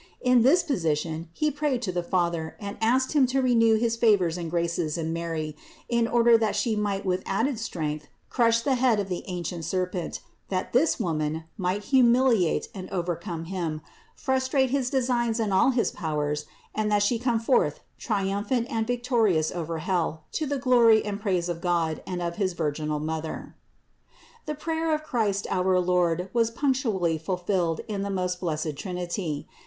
In this position He prayed to the Father and asked Him to renew his favors and graces in Mary, in order that She might with added strength crush the head of the ancient serpent, that this Woman might humiliate and overcome him, frustrate his designs and all his powers, and that She come forth triumphant and victorious over hell to the glory and praise of God and of his virginal Mother. 336. The prayer of Christ our Lord was punctually fulfilled in the most blessed Trinity.